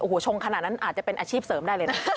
โอ้โหชงขนาดนั้นอาจจะเป็นอาชีพเสริมได้เลยนะ